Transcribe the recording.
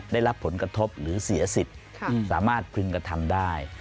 ได้รับผลกระทบหรือเสียสิทธิ์สามารถพึงกระทำได้